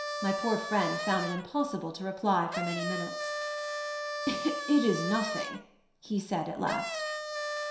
My poor friend found it impossible to reply for many minutes. "It is nothing," he said, at last.